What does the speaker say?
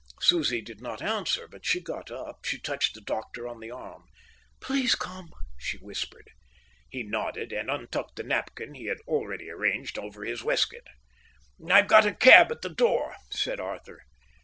Susie did not answer, but she got up. She touched the doctor on the arm. "Please come," she whispered. He nodded and untucked the napkin he had already arranged over his waistcoat. "I've got a cab at the door," said Arthur.